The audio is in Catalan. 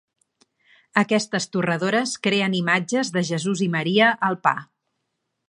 Aquestes torradores creen imatges de Jesús i Maria al pa.